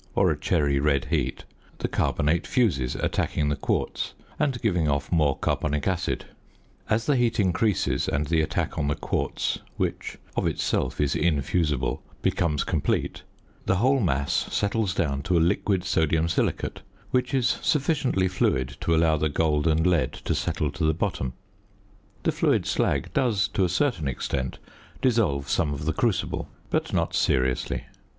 or a cherry red heat) the carbonate fuses attacking the quartz, and giving off more carbonic acid; as the heat increases, and the attack on the quartz (which of itself is infusible) becomes complete, the whole mass settles down to a liquid sodium silicate, which is sufficiently fluid to allow the gold and lead to settle to the bottom. The fluid slag does to a certain extent dissolve some of the crucible, but not seriously.